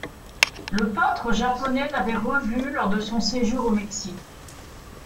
Le peintre japonais l'avait revu lors de son séjour au Mexique.